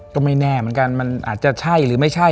ก็ไม่แน่เหมือนกันมันอาจจะใช่หรือไม่ใช่